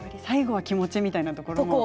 最後は気持ちみたいなところが。